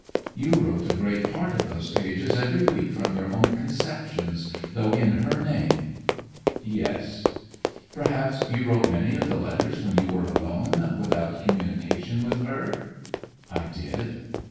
'You wrote a great part of those pages every week from your own conceptions, though in her name!' 'Yes.' 'Perhaps you wrote many of the letters when you were alone, without communication with her?' 'I did.